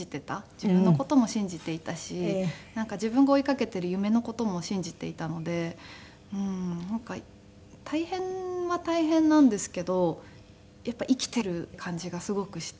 自分の事も信じていたし自分が追いかけている夢の事も信じていたのでなんか大変は大変なんですけどやっぱり生きているっていう感じがすごくして。